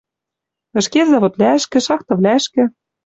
Ӹшке заводвлӓшкӹ, шахтывлӓшкӹ